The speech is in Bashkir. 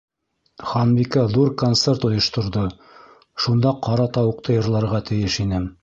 Ханбикә ҙур концерт ойошторҙо, шунда «Ҡара тауыҡ»- ты йырларға тейеш инем.